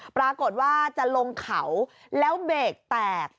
ปรากฏว่าจะลงเขาแล้วเบรกแตก